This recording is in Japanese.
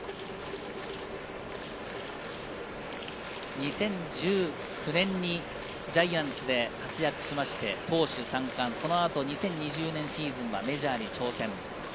２０１９年にジャイアンツで活躍して、投手３冠、その後２０２０年シーズンはメジャーに挑戦。